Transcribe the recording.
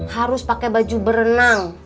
harus pake baju berenang